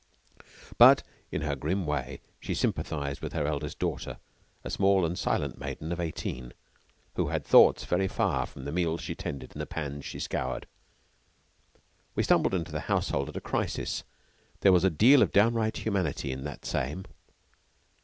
But in her grim way she sympathized with her eldest daughter, a small and silent maiden of eighteen, who had thoughts very far from the meals she tended and the pans she scoured. We stumbled into the household at a crisis, and there was a deal of downright humanity in that same.